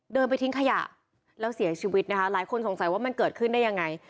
ไปทิ้งขยะแล้วเสียชีวิตนะคะหลายคนสงสัยว่ามันเกิดขึ้นได้ยังไง